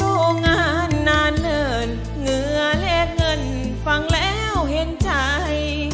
สู้งานนานเหลือเหงื่อเลขเงินฟังแล้วเห็นใจ